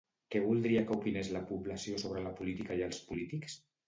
Què voldria que opinés la població sobre la política i els polítics?